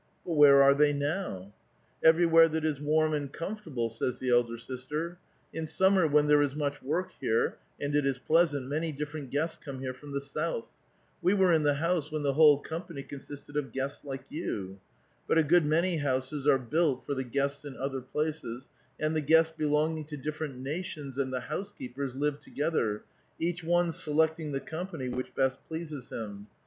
" But where are thev now? "" Everywhere that is warm and comfortable," says the elder sister. " In summer when there is much work here and it is pleasant, many different guests come here from the south ; we were in the house when the whole company con sisted of guests like you ; but a good many houses are built for the guests in other places ; and the guests belonging to different nations and the housekeepers live together, each one selecting the company which best pleases him.